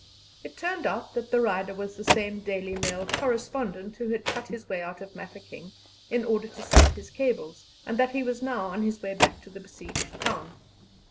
It turned out that the rider was the same Daily Mail correspondent who had cut his way out of Mafeking in order to send his cables, and that he was now on his way back to the besieged town.